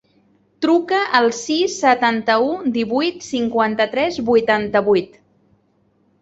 Truca al sis, setanta-u, divuit, cinquanta-tres, vuitanta-vuit.